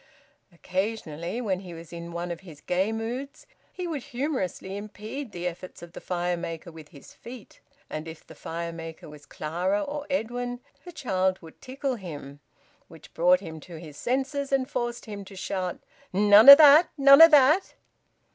Occasionally, when he was in one of his gay moods, he would humorously impede the efforts of the fire maker with his feet, and if the fire maker was Clara or Edwin, the child would tickle him, which brought him to his senses and forced him to shout: "None o' that! None o' that!"